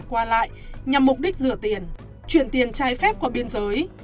qua lại nhằm mục đích rửa tiền chuyển tiền trái phép qua biên giới